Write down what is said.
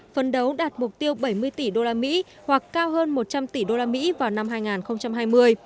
phấn đấu đạt mục tiêu bảy mươi tỷ usd hoặc cao hơn một trăm linh tỷ usd vào năm hai nghìn hai mươi